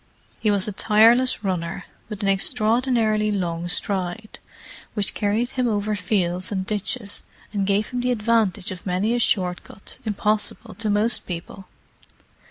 He was a tireless runner, with an extraordinarily long stride, which carried him over fields and ditches and gave him the advantage of many a short cut impossible to most people.